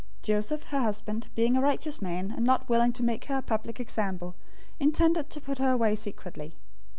001:019 Joseph, her husband, being a righteous man, and not willing to make her a public example, intended to put her away secretly.